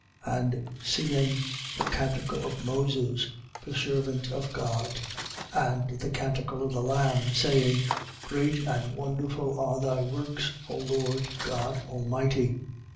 And singing the canticle of Moses, the servant of God, and the canticle of the Lamb, saying: Great and wonderful are thy works, O Lord God Almighty.